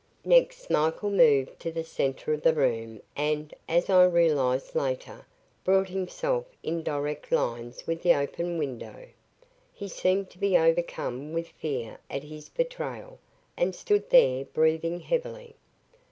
Next Michael moved to the center of the room and, as I realized later, brought himself in direct lines with the open window. He seemed to be overcome with fear at his betrayal and stood there breathing heavily.